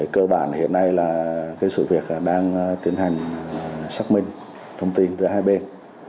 cơ bản hiện nay là sự việc đang tiến hành xác minh thông tin giữa hai bên